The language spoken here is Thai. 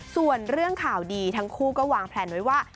ส่วนเรื่องข่าวดีทั้งคู่ก็วางแพลนไว้ว่า